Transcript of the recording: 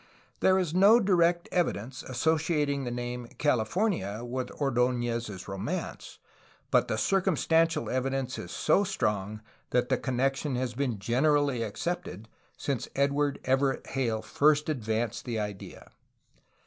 There is no direct evidence associating the name of Cali fornia with Ord6nez^s romance, but the circumstantial evi dence is so strong that the connection has been generally accepted since Edward Everett Hale first advanced the idea.